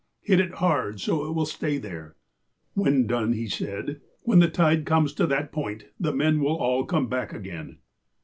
Hit it hard, so it will stay there.' *' When done, he said :''' When the tide comes to that point the men will all come back again.'